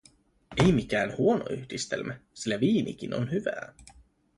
Ei mikään huono yhdistelmä, sillä viinikin on hyvää.